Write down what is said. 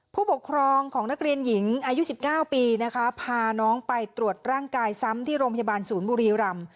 ผู้ปกครองของนักเรียนหญิงอายุ๑๙ปีนะคะพาน้องไปตรวจร่างกายซ้ำที่โรงพยาบาลศูนย์บุรีรำ